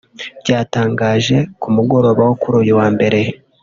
byatangaje ku mugoroba wo kuri uyu wa Mbere